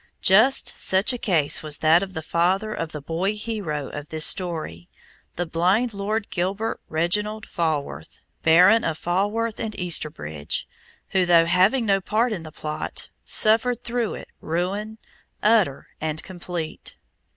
Just such a case was that of the father of the boy hero of this story, the blind Lord Gilbert Reginald Falworth, Baron of Falworth and Easterbridge, who, though having no part in the plot, suffered through it ruin, utter and complete.